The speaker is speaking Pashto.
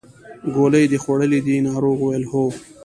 ګولۍ دې خوړلې دي ناروغ وویل هو.